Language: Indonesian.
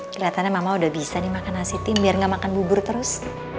kelihatannya mama udah bisa nih makan nasi tim biar nggak makan bubur terus